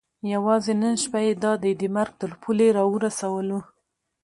یوازې نن شپه یې دا دی د مرګ تر پولې را ورسولو.